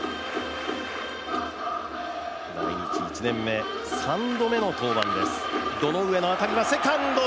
来日１年目、３度目の登板です